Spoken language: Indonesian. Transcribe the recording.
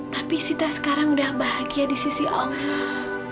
tapi sita sekarang udah bahagia di sisi allah